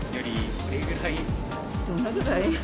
どれくらい？